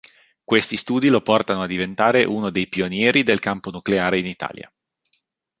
Questi studi lo portano a diventare uno dei pionieri del campo nucleare in Italia.